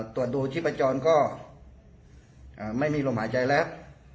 ตรวจดูชีพจรก็ไม่มีลมหายใจแล้ว